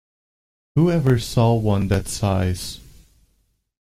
Who ever saw one that size?